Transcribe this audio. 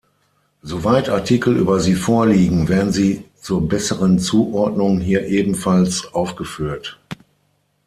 Soweit Artikel über sie vorliegen, werden sie zur besseren Zuordnung hier ebenfalls aufgeführt.